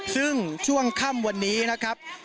ซึ่งช่วงค่ำวันนี้นะครับ